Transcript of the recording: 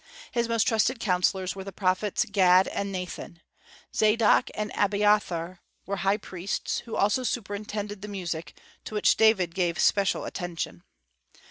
His most trusted counsellors were the prophets Gad and Nathan. Zadok and Abiathar were the high priests, who also superintended the music, to which David gave special attention.